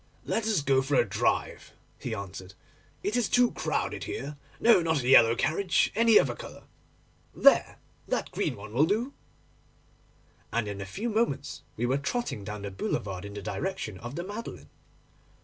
'Let us go for a drive,' he answered, 'it is too crowded here. No, not a yellow carriage, any other colour—there, that dark green one will do'; and in a few moments we were trotting down the boulevard in the direction of the Madeleine.